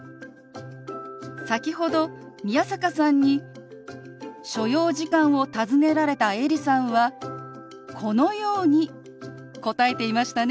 先ほど宮坂さんに所要時間を尋ねられたエリさんはこのように答えていましたね。